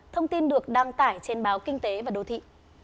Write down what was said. thông tin được đăng tải trên báo kinh tế và đô thị